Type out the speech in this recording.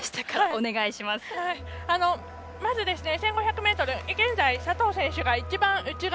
まず、１５００ｍ現在佐藤選手が一番内側。